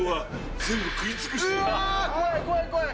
怖い、怖い、怖い。